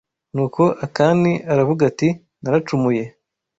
Nuko Akani aravuga ati naracumuye